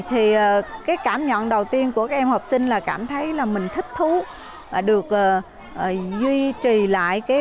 thì cái cảm nhận đầu tiên của các em học sinh là cảm thấy là mình thích thú được duy trì lại